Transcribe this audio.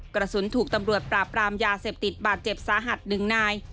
กระสุนถูกตำรวจปราบรามยาเสพติดบาดเจ็บสาหัสหนึ่งนาย